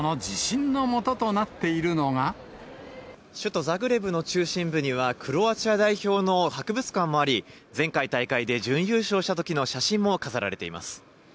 首都ザグレブの中心部には、クロアチア代表の博物館もあり、前回大会で準優勝したときの写真も飾られています。